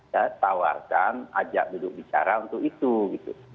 menawarkan ajak duduk bicara untuk itu gitu